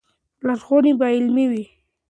لارښوونې به علمي وي.